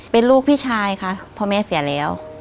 เป็นลูกพี่ชายพอเม้เสียแล้ว